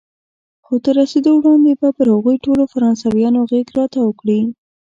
خو تر رسېدو وړاندې به پر هغوی ټولو فرانسویان غېږ را تاو کړي.